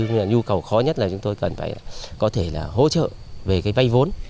nhưng mà nhu cầu khó nhất là chúng tôi cần phải có thể là hỗ trợ về cái vay vốn